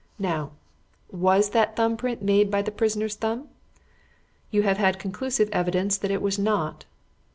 "Now, was that thumb print made by the prisoner's thumb? You have had conclusive evidence that it was not.